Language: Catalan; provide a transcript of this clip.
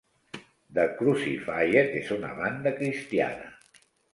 The Crucified és una banda cristiana.